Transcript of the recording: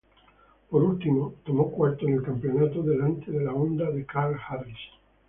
Por último tomó cuarto en el campeonato, delante de la Honda de Karl Harris.